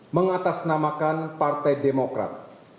mengatasnamakan partai demokrat